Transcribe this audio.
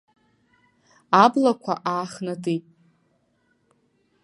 Аблақәа аахнатит.